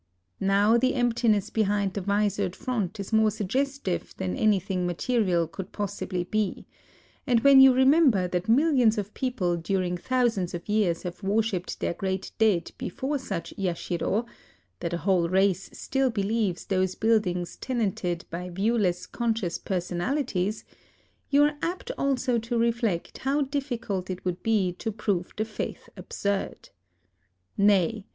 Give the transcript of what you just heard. Now the emptiness behind the visored front is more suggestive than anything mate rial could possibly be ; and when you remem ber that millions of people during thousands of years have worshiped their great dead be fore such yashiro, — that a whole race stiU believes those buildings tenanted by viewless conscious personalities, — you are apt also to reflect how difficult it would be to prove the 4 A LIVING GOD faith absurd. Nay